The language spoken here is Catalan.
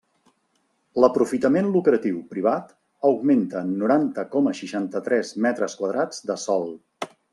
L'aprofitament lucratiu privat augmenta en noranta coma seixanta-tres metres quadrats de sòl.